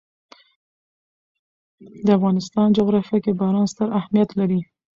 د افغانستان جغرافیه کې باران ستر اهمیت لري.